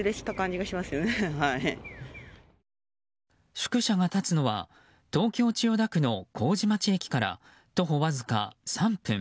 宿舎が立つのは東京・千代田区の麹町駅から徒歩わずか３分。